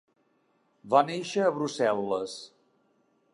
Va néixer a Brussel·les.